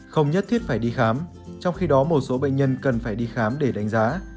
không nhất thiết phải đi khám trong khi đó một số bệnh nhân cần phải đi khám để đánh giá